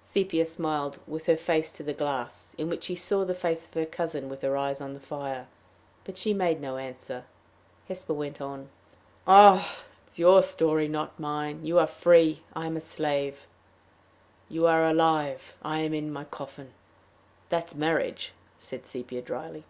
Sepia smiled, with her face to the glass, in which she saw the face of her cousin with her eyes on the fire; but she made no answer. Hesper went on. "Ah!" she said, "your story is not mine. You are free; I am a slave. You are alive; I am in my coffin." "That's marriage," said Sepia, dryly.